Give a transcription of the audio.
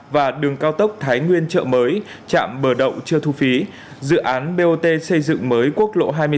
và đường cao tốc thái nguyên chợ mới trạm bờ đậu chưa thu phí dự án bot xây dựng mới quốc lộ hai mươi năm